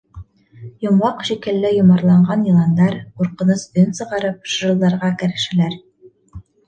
Йомғаҡ шикелле йомарланған йыландар, ҡурҡыныс өн сығарып, шыжылдарға керешәләр.